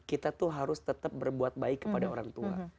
kita tuh harus tetap berbuat baik kepada orang tua